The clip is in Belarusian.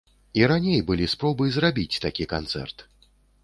І раней былі спробы зрабіць такі канцэрт.